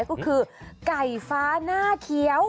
ก็คือไก่ฟ้าหน้าเขียว